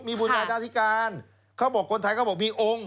บุญญาธิการเขาบอกคนไทยเขาบอกมีองค์